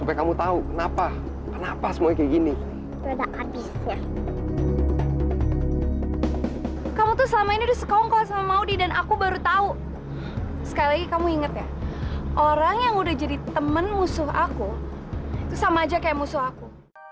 yang udah jadi temen musuh aku itu sama aja kayak musuh aku